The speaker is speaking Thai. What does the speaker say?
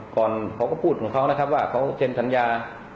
เขาก็พูดของเขานะครับว่าเขาเซ็นสัญญา